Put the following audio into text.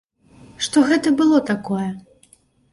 Што гэта было такое?